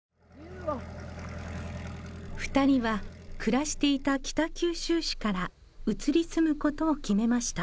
２人は暮らしていた北九州市から移り住むことを決めました。